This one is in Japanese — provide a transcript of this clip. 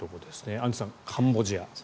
アンジュさん、カンボジア。